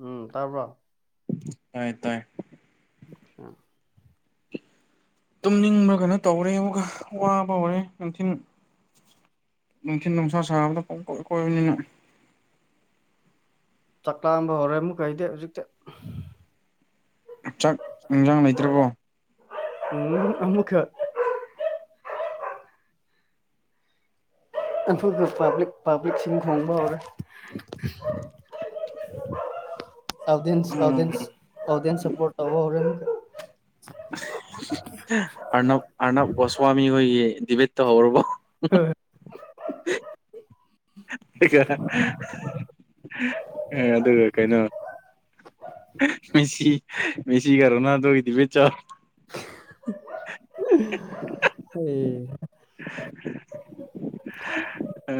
ꯎꯝ ꯇꯥꯕꯔꯣ ꯇꯥꯏ ꯇꯥꯏ ꯑꯝ ꯇꯨꯝꯅꯤꯡꯕꯒꯅ ꯇꯧꯔꯦ ꯑꯃꯨꯛꯀꯥ ꯋꯥꯕ ꯍꯧꯔꯦ ꯅꯨꯡꯊꯤꯟ ꯅꯨꯡꯊꯤꯜ ꯅꯨꯡꯁꯥ ꯁꯥꯕꯗ ꯄꯥꯡꯀꯣꯏ ꯀꯣꯏꯕꯅꯤꯅꯥ ꯆꯥꯛꯂꯥꯝꯕ ꯍꯧꯔꯦ ꯑꯃꯨꯛꯀ ꯑꯩꯗꯤ ꯍꯧꯖꯤꯛꯇ ꯆꯥꯛ ꯏꯟꯁꯥꯡ ꯂꯩꯇ꯭ꯔꯕꯣ ꯎꯝ ꯑꯃꯃꯨ ꯈ ꯑꯩꯈꯣꯏꯒꯤ ꯄꯕ꯭ꯂꯤ ꯄꯕ꯭ꯂꯤꯛꯁꯤꯡ ꯈꯣꯡꯕ ꯍꯧꯔꯦ ꯑꯣꯗꯤꯑꯦꯟꯁ ꯑꯣꯗꯤꯑꯦꯟꯁ ꯎꯝ ꯑꯣꯗꯤꯑꯦꯟꯁ ꯁꯄꯣꯔꯠ ꯇꯧꯕ ꯍꯧꯔꯦ ꯑꯃꯨꯛꯀ ꯑꯔꯅꯕ ꯑꯔꯅꯕ ꯒꯣꯁ꯭ꯋꯥꯃꯤ ꯍꯣꯏꯒꯤ ꯗꯤꯕꯦꯗꯇꯣ ꯍꯧꯔꯕꯣ ꯎꯝ ꯑꯗꯨꯒ ꯀꯩꯅꯣ ꯃꯦꯁꯤ ꯃꯦꯁꯤꯒ ꯔꯣꯅꯥꯜꯗꯣ ꯒꯥꯒꯤ ꯗꯤꯕꯦꯠ ꯆꯥꯎ ꯍꯩ ꯑ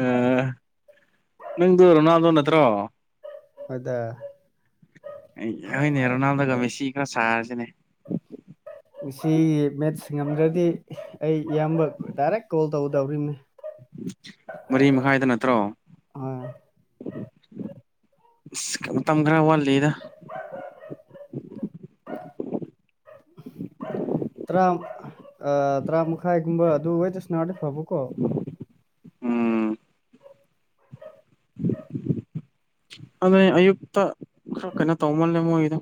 ꯅꯪꯗꯨ ꯔꯣꯅꯥꯜꯗꯣ ꯅꯠꯇ꯭ꯔꯣ ꯑꯗ ꯑꯩ ꯍꯣꯏꯅꯦ ꯔꯣꯅꯥꯜꯗꯣꯒ ꯃꯦꯁꯤꯒ ꯁꯥꯔꯥꯁꯤꯅꯦ ꯉꯁꯤꯒꯤ ꯃꯦꯠꯁ ꯉꯝꯗ꯭ꯔꯗꯤ ꯑꯩ ꯏꯌꯥꯝꯕ ꯗꯥꯏꯔꯦꯛ ꯀꯣꯜ ꯇꯧꯗꯕꯤꯅꯦ ꯃꯔꯤ ꯃꯈꯥꯏꯗ ꯅꯠꯇ꯭ꯔꯣ ꯑꯥ ꯃꯇꯝ ꯈꯔ ꯋꯥꯠꯂꯤꯌꯦꯗꯥ [inaudible] ꯇꯔꯥ ꯑ ꯇꯔꯥ ꯃꯈꯥꯏꯒꯨꯝꯕ ꯑꯗꯨ ꯋꯥꯏꯗ ꯁꯥꯟꯅꯔꯗꯤ ꯐꯕꯀꯣ ꯎꯝ [unintelligible] ꯑꯗꯨ ꯑꯌꯨꯛꯇ ꯈꯔ ꯀꯩꯅꯣ ꯇꯧꯃꯜꯂꯦ ꯃꯣꯏꯒꯤꯗꯣ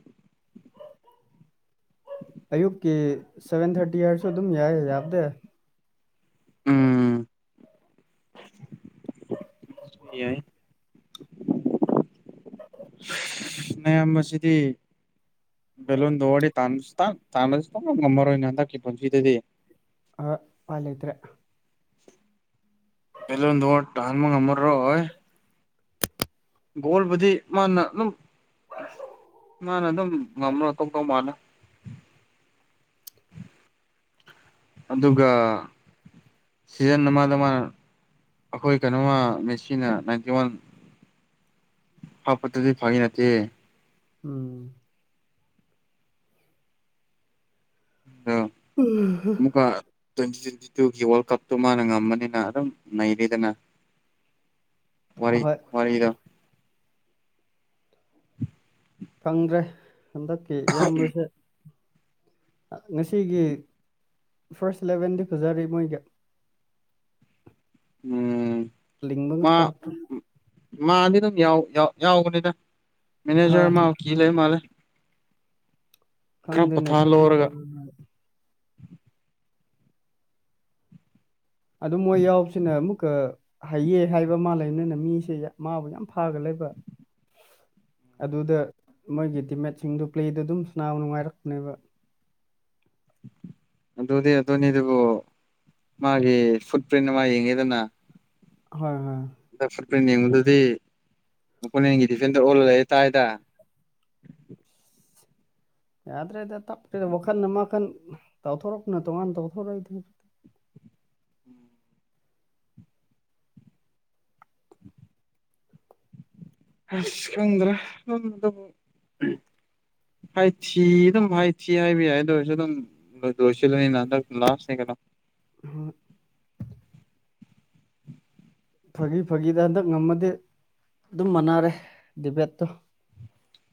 ꯑꯌꯨꯛꯀꯤ ꯁꯦꯚꯦꯟ ꯊꯥꯔꯇꯤ ꯍꯥꯏꯔꯁꯨ ꯑꯗꯨꯝ ꯌꯥꯏ ꯌꯥꯕꯗꯤ [inaudible] ꯌꯥꯌꯦ ꯅꯌꯥꯝꯕꯁꯤꯗꯤ ꯕꯦꯂꯣꯟ ꯗꯣꯔ ꯗ ꯇꯥꯟꯕꯁꯨ ꯇꯥꯛ ꯇꯥꯟꯕꯁꯨ ꯉꯝꯃꯔꯣꯏꯅꯦ ꯍꯟꯗꯛꯀꯤ ꯄꯨꯟꯁꯤꯗꯗꯤ ꯑ ꯄꯥꯏꯂꯩꯇ꯭ꯔꯦ ꯕꯦꯂꯣꯟ ꯗꯣꯔ ꯇꯥꯝꯕ ꯉꯝꯃꯔꯣꯏ ꯒꯣꯜꯕꯨꯗꯤ ꯃꯥꯅ ꯑꯗꯨꯝ ꯃꯥꯅ ꯑꯗꯨꯝ ꯉꯝꯅ ꯇꯧꯇꯧꯃꯥꯜꯂꯦ [inaudible] ꯑꯗꯨꯒ ꯁꯤꯖꯟ ꯑꯃꯗ ꯃꯥ ꯑꯩꯈꯣꯏ ꯀꯩꯅꯣꯃ ꯃꯦꯁꯤꯅ ꯅꯥꯏꯟꯇꯤ ꯋꯥꯟ ꯍꯥꯄꯠꯇꯗꯤ ꯐꯒꯤ ꯅꯠꯇꯦ ꯎꯝ ꯑꯗꯣ ꯎꯝ ꯑꯃꯨꯛꯀ ꯇ꯭ꯋꯦꯟꯇꯤ ꯇ꯭ꯋꯦꯟꯇꯤ ꯇꯨꯒꯤ ꯋꯥꯔꯜ ꯀꯞꯇꯨ ꯃꯥꯅ ꯉꯝꯕꯅꯤꯅ ꯑꯗꯨꯝ ꯅꯩꯔꯤꯗꯅ ꯑꯍꯣꯏ ꯃꯔꯤꯗ ꯈꯪꯗ꯭ꯔꯦ ꯍꯟꯗꯛꯀꯤ ꯏꯌꯥꯝꯕꯁꯦ ꯉꯁꯤꯒꯤ ꯐꯥꯔꯁ ꯂꯂꯦꯚꯦꯟꯗꯤ ꯐꯖꯔꯤ ꯃꯣꯏꯒ [inaudible] ꯎꯝ ꯃꯥ [inaudible] ꯃꯥꯗꯤ ꯑꯗꯨꯝ ꯌꯥꯎꯕꯅꯤꯗ ꯑ ꯃꯦꯅꯦꯖꯔ ꯃꯥ ꯀꯤ ꯂꯩ ꯃꯥꯜꯂꯦ ꯈꯔ ꯈꯪꯗꯦꯅ ꯆꯗ ꯄꯣꯊꯥꯍꯜꯂꯧꯔꯒ ꯑꯗꯨ ꯃꯣꯏ ꯌꯥꯎꯕꯁꯤꯅꯦ ꯑꯃꯨꯛ ꯍꯩꯌꯦ ꯍꯥꯏꯕ ꯃꯥꯜ ꯂꯩꯕꯅꯤꯅ ꯃꯤꯁꯦ ꯃꯥꯕꯨ ꯌꯥꯝ ꯐꯒ ꯂꯩꯕ [inaudible] ꯑꯗꯨꯗ ꯃꯣꯏꯒꯤ ꯇꯤꯝꯃꯦꯠꯁꯤꯡꯗꯨ ꯄ꯭ꯂꯦꯗꯨ ꯑꯗꯨꯝ ꯁꯅꯥꯎ ꯅꯨꯡꯉꯥꯏꯔꯛꯄꯅꯦꯕ [inaudible] ꯑꯗꯨꯗꯤ ꯑꯗꯨꯅꯤ ꯑꯗꯨꯕꯨ ꯃꯥꯒꯤ ꯐꯨꯠꯄ꯭ꯔꯤꯟ ꯃꯥ ꯌꯦꯡꯉꯦꯗꯅ ꯍꯣꯏ ꯍꯣꯏ ꯑꯗ ꯐꯨꯠꯕꯜ ꯌꯦꯡꯕꯨꯗꯨꯗꯤ ꯃꯄꯣꯟꯒꯤ ꯗꯤꯐꯦꯟꯗ ꯑꯣꯜꯂꯛꯦ ꯇꯥꯏꯗ [inaudible] ꯌꯥꯗ꯭ꯔꯦꯗ ꯇꯞꯄ꯭ꯔꯦꯗ ꯋꯥꯈꯜꯅ ꯃꯈꯈꯟ ꯇꯥꯎꯊꯣꯔꯛꯄꯅ ꯇꯣꯉꯥꯟꯅ ꯇꯧꯊꯣꯔꯛꯏꯗ ꯍꯥꯏ [inaudible] ꯈꯁꯀꯗ꯭ꯔ ꯍꯥꯏꯁꯤ ꯑꯗꯨꯝ ꯍꯥꯏꯁꯤꯤ ꯍꯥꯏꯕ ꯌꯥꯏꯗ ꯑꯣꯏꯔꯁꯨ ꯑꯗꯨꯝ ꯗꯣꯁꯤꯅꯤ ꯅ ꯂꯥꯁꯅꯤ ꯀꯩꯅꯣ [inaudible] ꯐꯥꯒꯤ ꯐꯥꯒꯤꯗ ꯍꯟꯗꯛ ꯉꯝꯃꯗꯤ ꯑꯗꯨꯝ ꯃꯥꯟꯅꯔꯦ ꯗꯤꯕꯦꯠꯇꯣ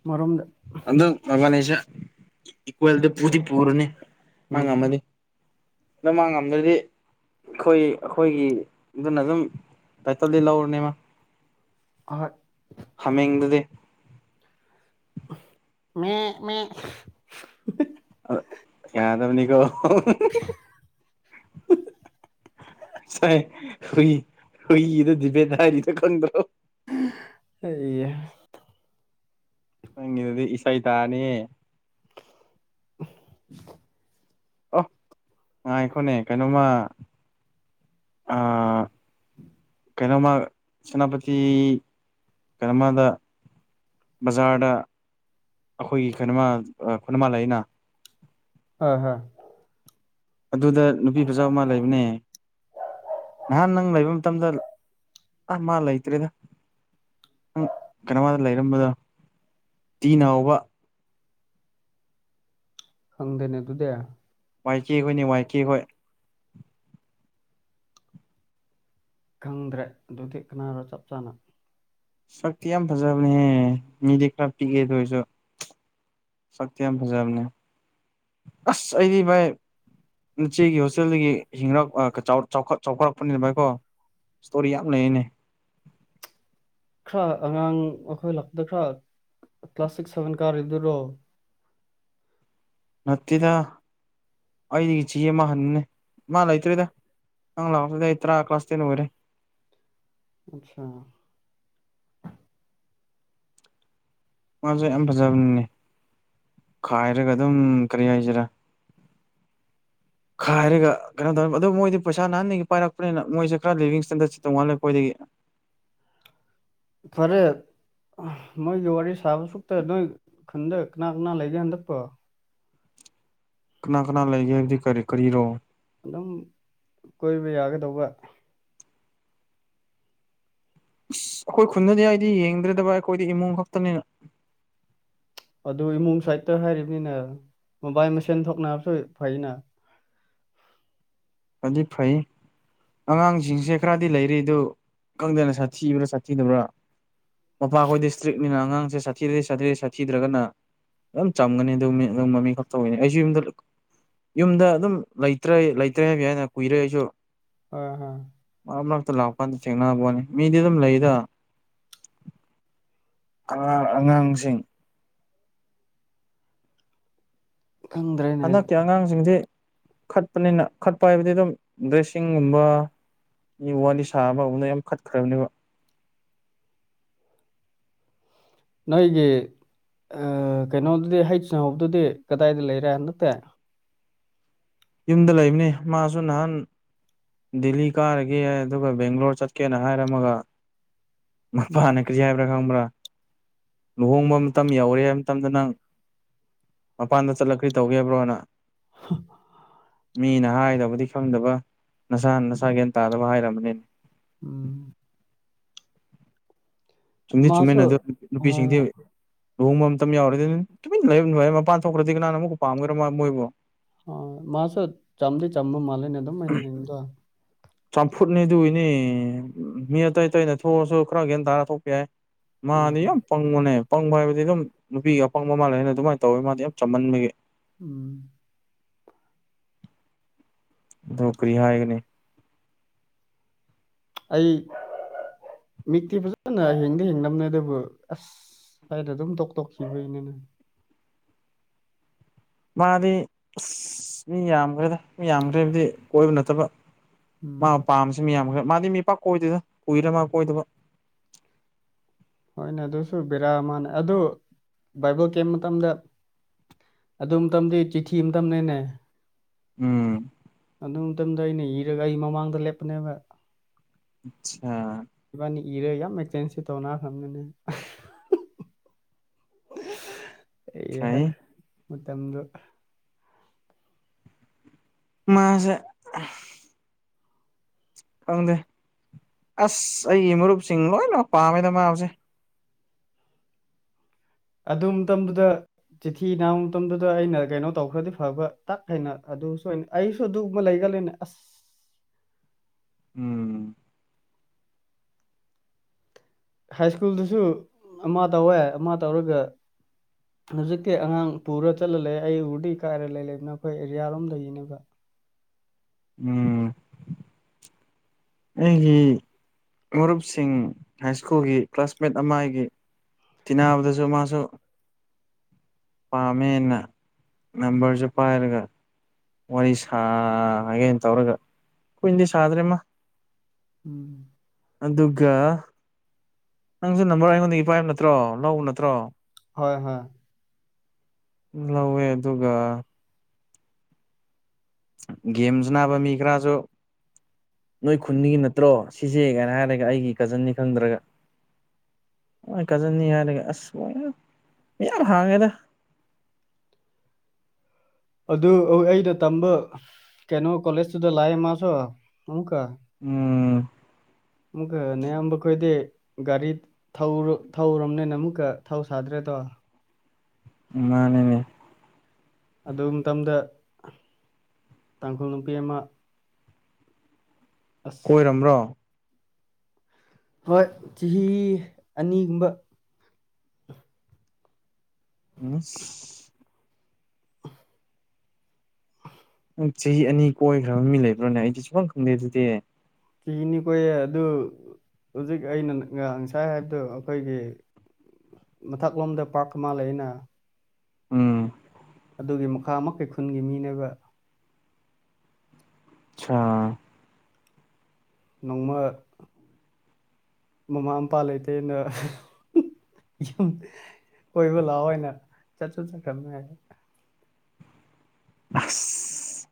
ꯃꯔꯝꯗ ꯑꯗ ꯃꯉ ꯂꯩꯁ ꯏꯀꯋꯦꯜꯗ ꯄ ꯄꯨꯊ ꯄꯔꯅꯤ ꯎꯝ ꯃꯥꯉꯥꯝꯃꯗꯤ ꯑ ꯃꯥꯉꯥꯃꯗꯤ ꯑꯩꯈꯣꯏ ꯑꯩꯈꯣꯏꯒꯤ ꯑꯗꯨꯅ ꯑꯗꯨꯝ ꯇꯥꯏꯇꯜꯗꯤ ꯂꯧꯔꯨꯅꯦꯃ ꯍꯣꯏ ꯍꯥꯃꯦꯡꯗꯗꯤ [inaudible] ꯑ ꯌꯥꯗꯕꯅꯤꯀꯣ ꯁꯥꯏ ꯍꯨꯏ ꯍꯨꯏꯗ ꯕ ꯊꯔꯤꯗ ꯀꯗꯣ [inaudible] ꯍꯪꯗ꯭ꯔꯗꯤ ꯏꯁꯥꯏ ꯇꯅꯦ [inaudible] ꯑꯣ ꯉꯥꯏꯈꯣꯅꯦ ꯀꯩꯅꯣꯃ ꯑ ꯀꯩꯅꯣꯃ ꯁꯦꯅꯥꯄꯇꯤ ꯀꯩꯅꯣꯃꯗ ꯕꯖꯥꯔꯗ ꯑꯩꯈꯣꯏꯒꯤ ꯀꯩꯅꯣꯃ ꯈꯨꯅꯃꯥ ꯂꯩꯅ ꯑ ꯍꯥ ꯑꯗꯨꯗ ꯅꯨꯄꯤ ꯐꯆꯥ ꯑꯃ ꯂꯩꯕꯅꯦ ꯅꯍꯥꯟ ꯅꯪ ꯂꯩꯕ ꯃꯇꯝꯗ ꯑ ꯃꯥ ꯂꯩꯇ꯭ꯔꯦꯗ ꯅꯪ ꯀꯩꯅꯣꯗ ꯂꯩꯔꯝꯕꯗꯣ ꯇꯤ ꯅꯥ ꯍꯥꯎꯕ ꯈꯪꯗꯦꯅꯦ ꯇꯨꯗ ꯋꯥꯏꯀꯦ ꯍꯣꯏꯅꯦ ꯋꯥꯏꯀꯦ ꯍꯣꯏ ꯈꯪꯗ꯭ꯔꯦ ꯑꯗꯨꯗꯤ ꯀꯅꯥꯅꯣ ꯆꯞ ꯆꯥꯅ ꯁꯛꯇꯤ ꯌꯥꯝ ꯐꯖꯕꯅꯦꯍꯦ ꯃꯤꯗꯤ ꯈꯔ ꯄꯤꯛꯒꯦꯗ ꯑꯣꯏꯁꯨ ꯁꯛꯇꯤ ꯌꯥꯝ ꯐꯖꯕꯅꯦ ꯑꯁ ꯑꯩꯗꯤ ꯚꯥꯏ ꯅꯆꯦꯒꯤ ꯍꯣꯁꯇꯦꯜꯗꯒꯤ ꯍꯤꯡꯉꯛ ꯆꯥꯎ ꯆꯥꯎꯈꯠꯂꯛꯄꯅꯤꯅ ꯚꯥꯏꯀꯣ ꯏꯁꯇꯣꯔꯤ ꯌꯥꯝ ꯂꯩꯅꯦ [unintelligible] ꯈꯔ ꯑꯉꯥꯡ ꯑꯩꯈꯣꯏ ꯂꯥꯛꯄꯗ ꯈꯔ ꯀ꯭ꯂꯥꯁ ꯁꯤꯛꯁ ꯁꯚꯦꯟ ꯀꯥꯔꯤꯗꯨꯔꯣ ꯅꯠꯇꯦꯗ ꯑꯩꯗꯤ ꯆꯤꯃ ꯍꯅꯤꯦ ꯃꯥ ꯂꯣꯏꯇꯔꯤꯗ ꯅꯪ ꯂꯥꯥꯛꯄꯗ ꯑꯩ ꯇꯔꯥ ꯀ꯭ꯂꯥꯁ ꯇꯦꯟ ꯂꯣꯏꯔꯦ ꯑꯠꯆꯥ ꯃꯥꯁꯨ ꯌꯥꯝ ꯐꯖꯕꯅꯤꯅꯦ ꯈꯥꯏꯔꯒ ꯑꯗꯨꯝ ꯀꯔꯤ ꯍꯥꯏꯁꯤꯔꯥ [unintelligible] ꯈꯥꯏꯔꯒ ꯀꯩꯅꯣ ꯇꯧꯅꯤ ꯑꯗ ꯃꯣꯏꯗꯤ ꯄꯩꯁꯥ ꯍꯥꯟꯗꯒꯤ ꯄꯥꯏꯔꯛꯄꯅꯤꯅ ꯃꯣꯏꯁꯦ ꯈꯔ ꯂꯤꯕꯤꯡ ꯏꯁꯇꯦꯟꯗꯔꯠꯦ ꯇꯣꯡꯉꯜꯂꯦ ꯑꯩꯣꯏꯗꯒꯤ ꯈꯔꯦ ꯅꯣꯏꯒꯤ ꯋꯥꯔꯤ ꯁꯥꯕ ꯁꯨꯛꯇ ꯅꯣꯏ ꯈꯨꯟꯗ ꯀꯅꯥ ꯀꯅꯥ ꯂꯩꯒꯦ ꯍꯟꯗꯛꯄꯣ ꯀꯅꯥ ꯀꯅꯥ ꯂꯩꯒꯦ ꯍꯥꯌꯕꯗꯤ ꯀꯔꯤ ꯀꯔꯤ ꯔꯣ ꯑꯗꯨꯝ ꯀꯣꯏꯕ ꯌꯥꯒꯗꯧꯕ ꯑꯁ ꯑꯩꯈꯣꯏ ꯈꯨꯟꯗꯗꯤ ꯑꯩꯗꯤ ꯌꯦꯡꯗ꯭ꯔꯦꯗꯕ ꯑꯩꯈꯣꯏꯗꯤ ꯏꯃꯨꯡ ꯈꯛꯇꯅꯤꯅ ꯑꯗꯨ ꯏꯃꯨꯡ ꯁꯥꯏꯠꯇ ꯍꯥꯏꯔꯤꯕꯅꯤꯅꯦ ꯃꯣꯕꯥꯏ ꯃꯁꯦꯟ ꯊꯣꯛꯅꯕꯁꯨ ꯐꯩꯅ ꯐꯗꯤ ꯐꯥꯏ ꯑꯉꯥꯡꯁꯤꯡꯁꯦ ꯈꯔꯗꯤ ꯂꯩꯔꯤꯗꯨ ꯀꯪꯗꯅ ꯁꯥꯊꯤꯕ꯭ꯔꯥ ꯁꯥꯊꯤꯕ꯭ꯔꯥ ꯃꯄꯥꯈꯣꯏ ꯗꯤ ꯏꯁꯇ꯭ꯔꯤꯛꯅꯤꯅ ꯑꯉꯥꯡꯁꯦ ꯁꯥꯊꯤꯗꯗꯤ ꯁꯥꯊꯤꯔꯩ ꯁꯥꯊꯤꯗ꯭ꯔꯒꯅ ꯌꯥꯝ ꯆꯝꯒꯅꯤ ꯑꯗꯨ ꯃꯃꯤ ꯈꯛꯇ ꯑꯣꯏꯒꯅꯤ ꯑꯩꯁꯨ ꯌꯨꯝꯗ ꯌꯨꯝꯗ ꯑꯗꯨꯝ ꯂꯩꯇ꯭ꯔꯦ ꯂꯩꯇ꯭ꯔꯦ ꯍꯥꯏꯕ ꯌꯥꯏꯅ ꯀꯨꯏꯔꯦ ꯑꯩꯁꯨ ꯍꯣꯌ ꯍꯥꯥ ꯃꯔꯛꯇ ꯂꯥꯛꯄꯀꯥꯟꯗ ꯊꯦꯡꯅꯕꯅꯤ ꯃꯤꯗꯤ ꯑꯗꯨꯝ ꯂꯩꯗ ꯑ ꯑꯉꯥꯡꯁꯤꯡ ꯈꯪꯗ꯭ꯔꯦꯅꯦ ꯁꯤꯡꯗꯤ ꯈꯠꯄꯅꯤꯅ ꯈꯠꯄ ꯍꯥꯏꯕꯗꯤ ꯑꯗꯨꯝ ꯗ꯭ꯔꯦꯁꯤꯡꯒꯨꯝꯕ ꯃꯤ ꯋꯥꯅꯤ ꯁꯥ ꯑꯃ ꯎꯅ ꯌꯥꯝ ꯀꯠꯈ꯭ꯔꯕꯅꯦꯕ [unintelligible] ꯅꯣꯏꯒꯤ ꯀꯩꯅꯣꯗꯨꯗꯤ ꯍꯩ ꯅꯍꯧꯕꯗꯨꯗꯤ ꯀꯗꯥꯏꯗ ꯂꯩꯔꯦ ꯅꯠꯇꯦ ꯌꯨꯝꯗ ꯂꯩꯕꯅꯤ ꯃꯥꯁꯨ ꯅꯍꯥꯟ ꯗꯦꯜꯂꯤ ꯀꯥꯔꯒꯦ ꯑꯗꯨꯒ ꯕꯦꯡꯒ꯭ꯂꯣꯔ ꯆꯠꯀꯦꯅ ꯍꯥꯏꯔꯝꯃꯒ ꯎꯝ ꯃꯄꯥꯅ ꯀꯔꯤ ꯍꯥꯏꯕꯔ ꯈꯪꯕ꯭ꯔꯥ ꯂꯨꯍꯣꯡꯕ ꯃꯇꯝ ꯌꯧꯔꯦ ꯍꯥꯏꯕ ꯃꯇꯝꯗ ꯅꯪ ꯃꯄꯥꯟꯗ ꯆꯠꯂ ꯀꯔꯤ ꯇꯧꯒꯦꯕ꯭ꯔꯣꯅ [unintelligible] ꯃꯤꯅ ꯍꯥꯏꯗꯕꯨꯗꯤ ꯈꯪꯗꯕ ꯅꯁꯥꯅ ꯅꯁꯥ ꯒ꯭ꯌꯥꯟ ꯇꯥꯗꯕ ꯍꯥꯏꯔꯔꯕꯅꯤꯅꯦ ꯎꯝ ꯆꯨꯝꯗꯤ ꯆꯨꯝꯃꯤꯟꯅ ꯃꯥꯁꯨ ꯑꯗꯨ ꯍꯣꯏ ꯅꯨꯄꯤꯁꯤꯡꯗꯤ ꯂꯨꯍꯣꯡꯕ ꯃꯇꯝ ꯌꯥꯎꯔꯗꯤ ꯇꯨꯃꯤꯟꯅ ꯂꯩꯔꯝ ꯂ ꯃꯄꯥꯟ ꯊꯣꯛꯈ꯭ꯔꯗꯤ ꯀꯅꯥꯅ ꯑꯃꯨꯛꯀ ꯄꯥꯝꯈ꯭ꯔꯥ ꯃꯣꯏꯕꯨ ꯍ ꯃꯥꯁꯨ ꯆꯝꯗꯤ ꯆꯝꯕ ꯃꯥꯂꯦꯅꯦ ꯑꯗꯨꯝꯥꯏꯩꯅꯣ ꯆꯝꯐꯨꯠꯅꯤ ꯑꯗꯨꯒꯤꯅꯤ ꯃꯤ ꯑꯇꯩ ꯑꯇꯩꯅ ꯊꯣꯛꯑꯁꯨ ꯈꯔ ꯒꯌꯥꯟ ꯇꯥꯔ ꯊꯣꯛꯄ ꯌꯥꯏ ꯎꯝ ꯃꯥꯅꯤ ꯌꯥꯝ ꯄꯪꯕꯅꯦ ꯑꯄꯪꯕ ꯍꯥꯏꯕꯗꯤ ꯑꯗꯨꯝ ꯅꯨꯄꯤꯒ ꯑꯄꯪꯕ ꯃꯥꯜꯂꯦꯅ ꯑꯗꯨꯃꯥꯏꯅ ꯇꯧꯋꯤ ꯃꯥꯗꯤ ꯌꯥꯝ ꯆꯝꯃꯟꯕꯒꯦ ꯎꯝ ꯅꯧꯀꯔꯤ ꯍꯥꯏꯒꯅꯤ ꯑꯩ ꯃꯤꯛꯇꯤ ꯐꯖꯅ ꯍꯤꯡꯗ ꯍꯤꯡꯅꯕꯅꯦ ꯑꯗꯨꯕꯨ ꯑꯁ ꯁꯗ ꯑꯗꯨꯝ ꯇꯣꯛ ꯇꯣꯛꯈꯤꯕꯒꯤꯅꯤꯅꯦ ꯃꯥꯗꯤ ꯑꯁ ꯃꯤ ꯌꯥꯝꯈ꯭ꯔꯦꯗ ꯃꯤ ꯌꯥꯝꯈ꯭ꯔꯦ ꯍꯥꯏꯕꯗꯤ ꯀꯣꯏꯕ ꯅꯠꯇꯕ ꯎꯝ ꯃꯥ ꯄꯥꯝꯁꯦ ꯃꯤꯌꯥꯝꯈ ꯃꯥꯗꯤ ꯃꯤ ꯄ ꯀꯣꯏꯗꯣꯏꯗ ꯀꯨꯏꯗꯃ ꯀꯣꯏꯗꯕ ꯍꯣꯏꯅꯦ ꯑꯗꯨꯁꯨ ꯕꯦꯔꯥ ꯃꯥꯅꯦ ꯑꯗꯨ ꯕꯥꯏꯕꯜ ꯀꯦꯝ ꯃꯇꯝꯗ ꯑꯗꯨꯝ ꯇꯝꯗꯤ ꯆꯤꯊꯤ ꯑꯃꯇꯅꯦꯅꯦ ꯎꯝ ꯑꯗꯨ ꯃꯇꯝꯗ ꯑꯩꯅ ꯏꯔꯒ ꯑꯩ ꯃꯃꯥꯡꯗ ꯂꯦꯞꯄꯅꯦꯕ ꯑꯆꯥ ꯏꯕꯥꯅꯤ ꯏꯔꯒ ꯌꯥꯝ ꯑꯦꯛꯆꯦꯟꯁꯤ ꯇꯧꯅ ꯈꯪꯗꯨꯅꯦ ꯏ ꯐꯩ ꯃꯇꯝꯗꯨ ꯃꯥꯁ ꯈꯪꯗꯦ ꯑꯁ ꯑꯩ ꯃꯔꯨꯞꯁꯤꯡ ꯂꯣꯏꯅꯃꯛ ꯄꯥꯝꯃꯦꯗ ꯃꯥꯁꯦ ꯑꯗꯨ ꯃꯇꯝꯗꯨꯗ ꯆꯤꯊꯤ ꯅꯥꯕ ꯃꯇꯝꯗꯨꯗ ꯑꯩꯅ ꯀꯩꯅꯣ ꯇꯧꯈ꯭ꯔꯗꯤ ꯐꯕ ꯇꯥꯛ ꯍꯥꯏꯅ ꯑꯗꯨꯁꯨ ꯑꯩꯁꯨ ꯑꯗꯨꯒꯕ ꯂꯩ ꯆꯂꯅ ꯑꯁ ꯎꯝ ꯍꯥꯏ ꯁ꯭ꯀꯨꯜꯗꯨꯁꯨ ꯑꯃ ꯇꯧꯋꯦ ꯑꯃ ꯇꯧꯔꯒ ꯍꯧꯖꯤꯛꯇꯤ ꯑꯉꯥꯡ ꯄꯨꯔ ꯆꯠꯂ ꯂꯩ ꯑꯩ ꯎꯔꯗꯤ ꯀꯥꯏꯔ ꯂꯩꯕꯅ ꯑꯩꯈꯣꯏ ꯑꯦꯔꯤꯌꯥꯔꯣꯝꯗꯒꯤꯅꯦꯕ ꯎꯝ ꯑꯩꯒꯤ ꯃꯔꯨꯞꯁꯤꯡ ꯍꯥꯏ ꯁ꯭ꯀꯨꯜꯒꯤ ꯀ꯭ꯂꯥꯁꯃꯦꯠ ꯑꯃ ꯑꯩꯒꯤ ꯇꯤꯟꯅꯕꯗꯁꯨ ꯃꯥꯁꯨ ꯄꯥꯃꯦꯅ ꯅꯝꯕꯔꯁꯤꯞꯥꯏꯔꯒ ꯋꯥꯔꯤ ꯁꯥꯒꯦꯅ ꯇꯧꯔꯒ ꯀꯨꯏꯅꯗꯤ ꯁꯥꯗ꯭ꯔꯦꯃ ꯎꯝ ꯑꯗꯨꯒ ꯅꯪꯁꯨ ꯅꯝꯕꯔ ꯑꯩꯉꯣꯟꯗꯒꯤ ꯏꯄꯥꯥꯏꯕ ꯅꯠꯇ꯭ꯔꯣ ꯂꯧꯕ ꯅꯠꯇ꯭ꯔꯣ ꯍꯣꯏ ꯍꯣꯏ ꯂꯧꯋꯦ ꯑꯗꯨꯒ ꯒꯦꯝꯁ ꯅꯥꯕ ꯃꯤ ꯈꯔꯁꯨ ꯅꯣꯏ ꯈꯨꯟꯒꯤ ꯅꯠꯇ꯭ꯔꯣ ꯁꯤꯁꯦ ꯀꯥꯏꯅ ꯍꯥꯏꯔꯒ ꯑꯩꯒꯤ ꯀꯖꯟꯅꯤ ꯈꯪꯗ꯭ꯔꯒ ꯍꯣꯏ ꯀꯖꯟꯅꯤ ꯍꯥꯏꯔꯒꯦ ꯑꯁ ꯌꯥꯝ ꯍꯥꯡꯉꯦꯗ [unintelligible] ꯑꯗꯨ ꯑꯩꯅ ꯇꯝꯕ ꯀꯩꯅꯣ ꯀꯣꯂꯦꯖꯇꯨꯗ ꯂꯥꯛꯑꯦ ꯃꯥꯁꯨ ꯑꯃꯨꯛꯀ ꯎꯝ ꯑꯃꯨꯛꯀ ꯑꯌꯥꯝꯕ ꯈꯣꯏꯗꯤ ꯒꯥꯔꯤꯧ ꯊꯧꯔꯕꯅꯤꯅ ꯑꯃꯨꯛꯀ ꯊꯧ ꯁꯥꯗ꯭ꯔꯦ ꯇ ꯑ ꯃꯥꯅꯦꯅꯤꯅꯦ ꯑꯗꯨ ꯃꯇꯝꯗ ꯇꯥꯡꯈꯨꯜ ꯅꯨꯄꯤ ꯑꯃ ꯑꯁ ꯀꯣꯏꯔꯔꯕ꯭ꯔꯣ ꯍꯣꯏ ꯆꯍꯤ ꯑꯅꯤꯒꯨꯝꯕ ꯑ ꯆꯍꯤ ꯑꯅꯤ ꯀꯣꯏꯈ꯭ꯔꯕ ꯃꯤ ꯂꯩꯕ꯭ꯔꯣꯅꯦ ꯑꯩꯗꯤ ꯁꯨꯐꯝꯪ ꯈꯪꯗꯦ ꯑꯗꯨꯗꯤ ꯀꯤꯅꯤ ꯀꯣꯌꯦ ꯑꯗꯨ ꯍꯧꯖꯤꯛ ꯑꯩꯅ ꯉ ꯉꯁꯥꯏ ꯍꯥꯏꯕꯗꯨꯣ ꯑꯩꯈꯣꯏꯒꯤ ꯃꯊꯛ ꯂꯣꯝꯗ ꯄꯥꯔꯛ ꯑꯃ ꯂꯩ ꯑꯩꯅ ꯎꯝ ꯑꯗꯨꯒꯤ ꯃꯈꯥ ꯃꯈ ꯀꯩ ꯈꯨꯟꯒꯤ ꯃꯤꯅꯦꯒ ꯑꯥ ꯅꯣꯡꯃ ꯃꯃꯥ ꯃꯄꯥ ꯂꯩꯇꯦꯅ ꯌꯨꯝ ꯀꯣꯏꯕ ꯂꯥꯛꯑꯣꯏ ꯑꯣꯏꯅ ꯆꯠꯁꯨ ꯆꯠꯈ꯭ꯔꯅꯦ ꯍꯥꯏ ꯑꯁ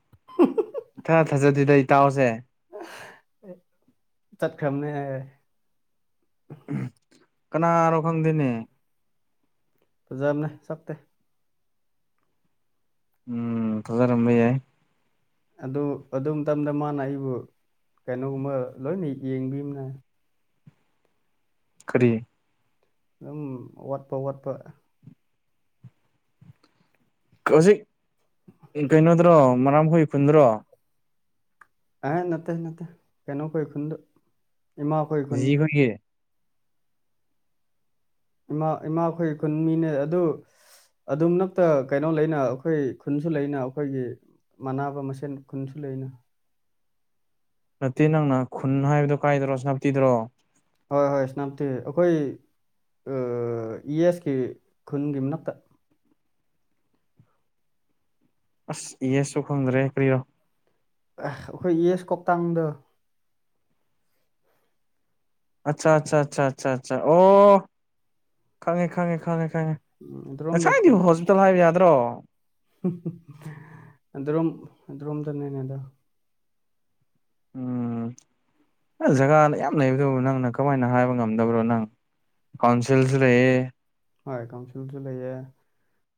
ꯏꯊꯥ ꯊꯥꯖꯗꯗ ꯏꯇꯥꯎꯁꯦ ꯆꯠꯈꯝꯅꯦ ꯍꯥꯏ ꯀꯅꯥꯅꯣ ꯈꯪꯗꯦꯅꯦ ꯐꯖꯕꯅꯦ ꯁꯛꯇꯇꯦ ꯎꯝ ꯊꯖꯔꯝꯕꯤ ꯌꯥꯏ ꯑꯗꯨ ꯑꯗꯨ ꯃꯇꯝꯗ ꯃꯥꯅ ꯑꯩꯕꯨ ꯀꯩꯅꯣꯒꯨꯝꯃ ꯂꯣꯏꯅ ꯌꯦꯡꯕꯤꯝꯅ ꯈꯔꯤ ꯑꯗꯨꯝ ꯋꯥꯠꯄ ꯋꯥꯠꯄ ꯍꯧꯖꯤꯛ ꯀꯩꯅꯣꯗ꯭ꯔꯣ ꯃꯔꯥꯡ ꯍꯨꯣꯏꯏ ꯐꯨꯟꯗ꯭ꯔꯣ ꯑꯦ ꯅꯠꯇꯦ ꯅꯠꯇꯦ ꯀꯩꯅꯣꯈꯣꯏ ꯈꯨꯟꯗ ꯏꯃꯥꯈꯣꯏ ꯈꯨꯟ ꯖꯤꯈꯣꯏꯒꯤ ꯏꯃꯥ ꯏꯃꯥꯈꯣꯏ ꯀꯨꯟ ꯃꯤꯅꯦ ꯑꯗꯨ ꯑꯗꯨꯝ ꯅꯛꯇ ꯀꯩꯅꯣ ꯂꯩꯅ ꯑꯩꯈꯣꯏ ꯈꯨꯟꯁꯨ ꯂꯩꯅ ꯑꯩꯈꯣꯏꯒꯤ ꯃꯅꯥꯅꯕ ꯃꯁꯦꯟ ꯈꯨꯟꯁꯨ ꯂꯩꯅ ꯅꯠꯇꯦ ꯅꯪꯅ ꯈꯨꯟ ꯍꯥꯏꯕꯗꯣ ꯀꯥꯏꯗ꯭ꯔꯣ ꯅꯅꯥꯞꯄꯤꯤꯗ꯭ꯔꯣ ꯍꯣꯏ ꯍꯣꯏ ꯏꯁꯅꯥꯝꯇꯤ ꯑꯩꯈꯣꯏ ꯑ ꯏꯁꯀꯤ ꯈꯨꯟꯒꯤ ꯅꯠꯇ ꯑꯁ ꯌꯦꯁꯨ ꯈꯪꯗ꯭ꯔꯦ ꯀ꯭ꯔꯤꯔꯣ ꯑꯩꯈꯣꯏ ꯑꯦꯁ ꯀꯧꯇꯥꯡꯗ ꯑꯆꯥ ꯑꯆꯥ ꯑꯆꯥ ꯑꯆꯥ ꯑꯆꯥ ꯑꯣ ꯈꯪꯉꯦ ꯈꯪꯉꯦ ꯈꯉꯦꯉꯦ ꯎꯝ ꯑꯗꯨꯔꯣꯝꯗ ꯉꯁꯥꯏꯗꯤ ꯍꯣꯁꯄꯤꯇꯥꯜ ꯍꯥꯏꯕ ꯌꯥꯗ꯭ꯔꯣ ꯑꯗꯨꯣꯝ ꯑꯣꯝꯗꯅꯦꯅꯦ ꯑꯗ [inaudible] ꯖꯒꯥꯗ ꯌꯥꯝ ꯂꯩꯕꯗꯨ ꯅꯪꯅ ꯀꯃꯥꯏꯅ ꯍꯥꯏꯕ ꯉꯝꯗꯕ꯭ꯔꯣ ꯅꯪ ꯀꯥꯎꯣꯟꯁꯤꯜꯁ ꯂꯩ ꯍꯣꯏ ꯀꯥꯎꯟꯁꯤꯜꯁꯨ ꯂꯩꯌꯦ